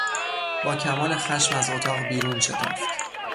با کمال خشم از اتاق بیرون شتافت.